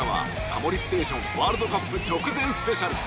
タモリＳＴＡＴＩＯＮ』ワールドカップ直前スペシャル。